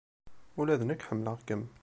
Ula d nekk ḥemmleɣ-kem.